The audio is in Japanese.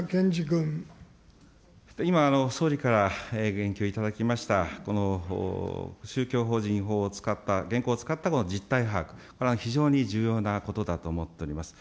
今、総理から言及いただきました、宗教法人法を使った、現行を使ったこの実態把握、これは非常に重要なことだと思っております。